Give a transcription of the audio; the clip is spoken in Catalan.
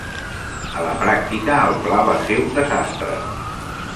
A la pràctica, el pla va ser un desastre.